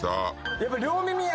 やっぱ両耳や。